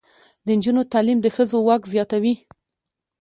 د نجونو تعلیم د ښځو واک زیاتوي.